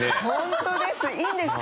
本当です。